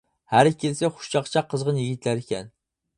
ھەر ئىككىلىسى خۇش چاقچاق قىزغىن يىگىتلەر ئىكەن.